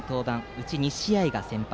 うち２試合が先発。